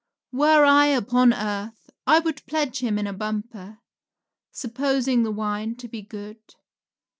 Were I upon earth I would pledge him in a bumper, supposing the wine to be good.